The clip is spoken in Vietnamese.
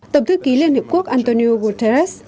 tổng thư ký liên hiệp quốc antonio guterres